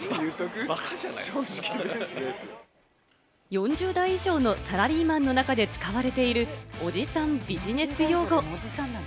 ４０代以上のサラリーマンの中で使われている、おじさんビジネス用語。